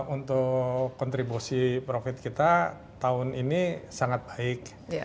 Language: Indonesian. untuk kontribusi profit kita tahun ini sangat baik